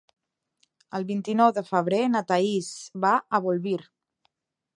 El vint-i-nou de febrer na Thaís va a Bolvir.